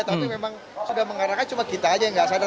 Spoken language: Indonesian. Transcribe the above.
tapi memang sudah mengarahkan cuma kita aja yang nggak sadar